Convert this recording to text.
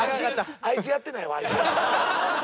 あいつやってないわ。